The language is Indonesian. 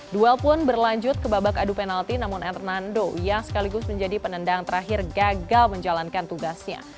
duel pun berlanjut ke babak adu penalti namun hernando yang sekaligus menjadi penendang terakhir gagal menjalankan tugasnya